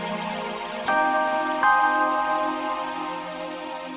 hei ketakut sih kalian